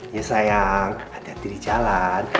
ya sayang hati hati di jalan